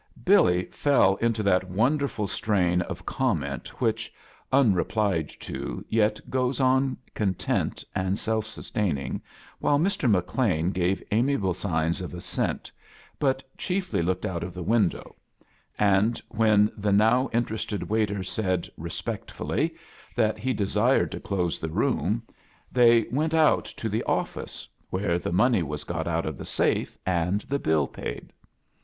Billy fell into that cheerful strain of comment which, unreplied to, yet goes on content and self sustaining, while Mr. McLean gave amiable signs of assent, but chiefly looked out of the window; and when r I A pURNEY IN SEARCH OF CHRISTMAS the now interested waiter said, respectfully, that he desired to close the room, they went out to the office, where the money was got oat of the safe and the bill paid.